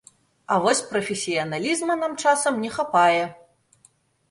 А вось прафесіяналізма нам часам не хапае.